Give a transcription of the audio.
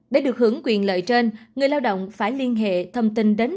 để được hưởng quyền lợi trên người lao động phải liên hệ thông tin đến